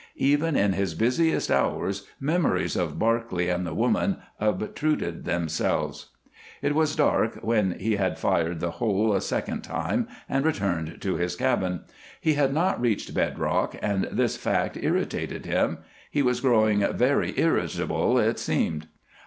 Even in his busiest hours memories of Barclay and the woman obtruded themselves. It was after dark when he had fired the hole a second time and returned to his cabin. He had not reached bed rock and this fact irritated him he was growing very irritable, it seemed.